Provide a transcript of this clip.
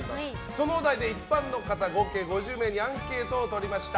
そのお題で一般の方合計５０名にアンケートを取りました。